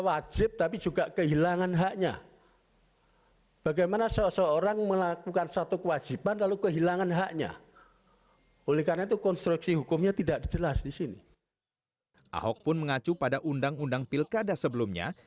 ahok pun mengacu pada undang undang pilkada sebelumnya